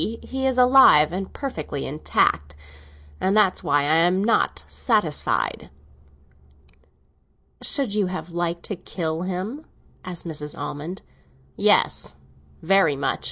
He is alive and perfectly intact, and that's why I am not satisfied." "Should you have liked to kill him?" asked Mrs. Almond. "Yes, very much.